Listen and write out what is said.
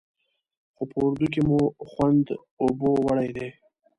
خو په اردو کې مو خوند اوبو وړی دی.